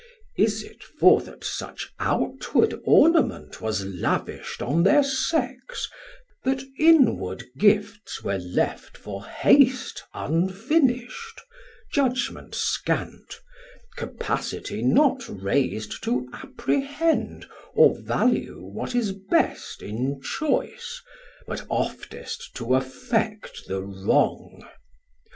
Is it for that such outward ornament Was lavish't on thir Sex, that inward gifts Were left for hast unfinish't, judgment scant, Capacity not rais'd to apprehend Or value what is best In choice, but oftest to affect the wrong?